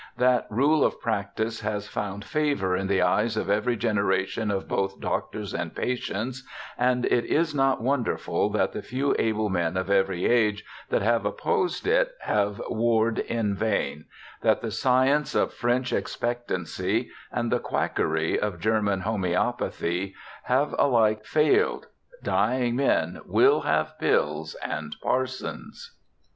That rule of practice has found favour in the eyes of every generation of both doctors and patients, and it is not wonderful that the few able men of every age that have opposed it have warred in vain, — that the science of French expectancy, and the quackery of German homoeopathy, have alike failed ; dying men will have pills and parsons.